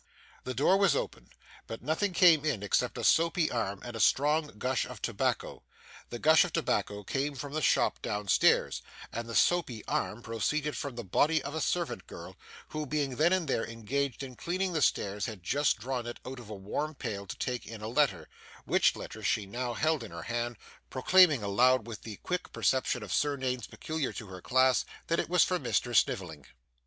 The door was opened, but nothing came in except a soapy arm and a strong gush of tobacco. The gush of tobacco came from the shop downstairs, and the soapy arm proceeded from the body of a servant girl, who being then and there engaged in cleaning the stairs had just drawn it out of a warm pail to take in a letter, which letter she now held in her hand, proclaiming aloud with that quick perception of surnames peculiar to her class that it was for Mister Snivelling.